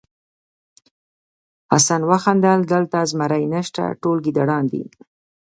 حسن وخندل دلته زمری نشته ټول ګیدړان دي.